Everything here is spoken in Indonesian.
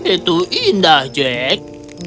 itu indah jack